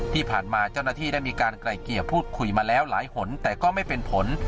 ที่ผ่านมาเจ้าหน้าที่ได้มีการไกลเกลี่ยพูดคุยมาแล้วหลายหนแต่ก็ไม่เป็นผล